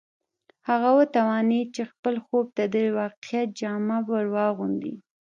هغه وتوانېد چې خپل خوب ته د واقعیت جامه ور واغوندي